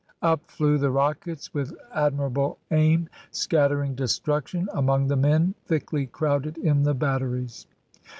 Up flew the rockets with admirable aim, scattering destruction among the men thickly crowded in the batteries.